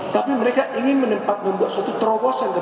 tapi mereka ingin membuat suatu terobosan